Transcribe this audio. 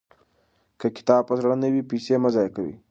که کتاب په زړه نه وي، پیسې مه ضایع کوئ.